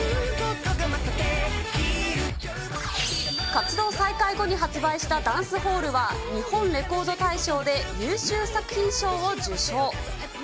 活動再開後に発売したダンスホールは日本レコード大賞で優秀作品賞を受賞。